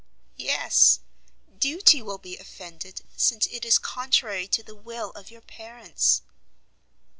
"Yes; duty will be offended, since it is contrary to the will of your parents."